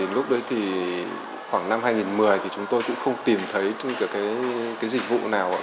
lúc đấy khoảng năm hai nghìn một mươi chúng tôi cũng không tìm thấy dịch vụ